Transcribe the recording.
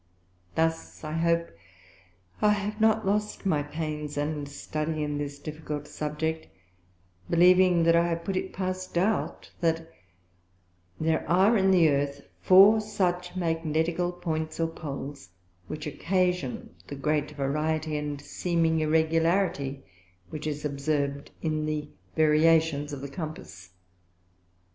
(Vide Plate 2.) Thus, I hope, I have not lost my Pains and Study in this difficult Subject; believing that I have put it past doubt, _That there are in the Earth four such Magnetical Points or Poles, which occasion the great variety and seeming irregularity which is observed in the Variations of the Compass_.